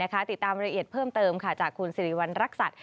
ติดตามรายละเอียดเพิ่มเติมจากคุณสิริวัณรักษัตริย